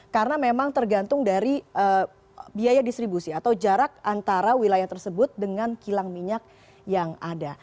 karena memang tergantung dari biaya distribusi atau jarak antara wilayah tersebut dengan kilang minyak yang ada